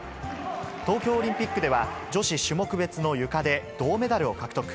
東京オリンピックでは、女子種目別のゆかで銅メダルを獲得。